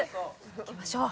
いきましょう！